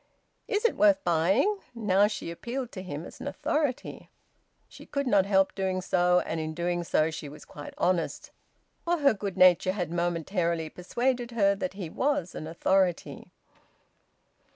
"Is it worth buying?" Now she appealed to him as an authority. She could not help doing so, and in doing so she was quite honest, for her good nature had momentarily persuaded her that he was an authority.